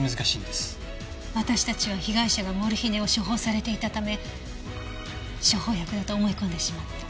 私たちは被害者がモルヒネを処方されていたため処方薬だと思い込んでしまった。